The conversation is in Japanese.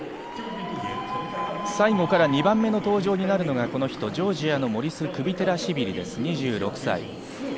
最後から２番目の登場となるのがジョージアのモリス・クビテラシビリです、２６歳。